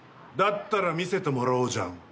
だったら見せてもらおうじゃん